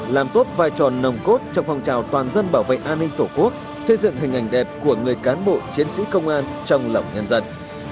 làm tốt vai tròn nồng cốt trong phong trào toàn dân bảo vệ an ninh tổ quốc xây dựng hình ảnh đẹp của người cán bộ chiến sĩ công an trong lòng nhân dân